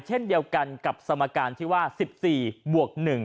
เช่นเดียวกันกับสมการที่ว่า๑๔บวก๑